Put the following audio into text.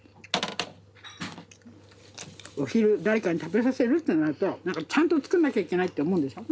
お昼誰かに食べさせるってなるとちゃんと作んなきゃいけないって思うんでしょ。